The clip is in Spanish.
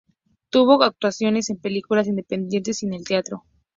Tuvo actuaciones en películas independientes y en el teatro.